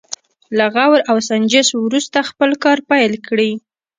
له غور او سنجش وروسته خپل کار پيل کړي.